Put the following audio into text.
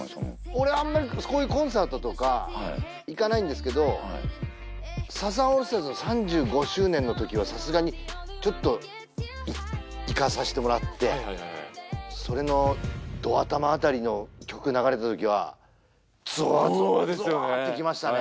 俺あんまりこういうコンサートとか行かないんですけどサザンオールスターズの３５周年の時はさすがにちょっと行かさせてもらってはいはいはいはいそれのド頭あたりの曲流れた時はゾワゾワゾワってきましたね